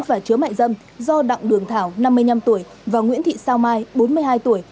và chứa mại dâm do đặng đường thảo năm mươi năm tuổi và nguyễn thị sao mai bốn mươi hai tuổi